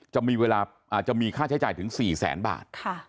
จะมีค่าใช้จ่ายถึง๔แสนบาท